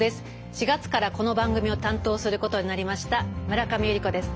４月からこの番組を担当することになりました村上由利子です。